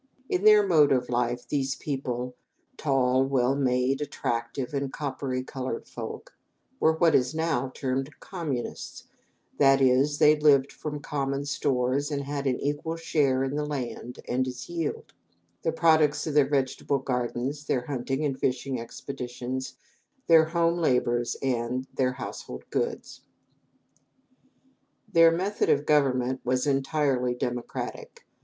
In their mode of life these people tall, well made, attractive, and coppery colored folk were what is now termed communists, that is, they lived from common stores and had all an equal share in the land and its yield the products of their vegetable gardens, their hunting and fishing expeditions, their home labors, and their household goods. Their method of government was entirely democratic.